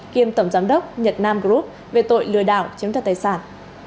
kiêm tổng giám đốc nhật nam group về tội lừa đảo chiếm thật tài sản